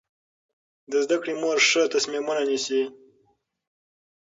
د زده کړې مور ښه تصمیمونه نیسي.